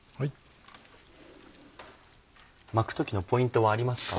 巻く時のポイントはありますか？